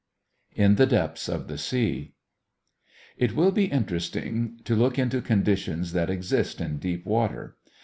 IN THE DEPTHS OF THE SEA It will be interesting to look into conditions that exist in deep water.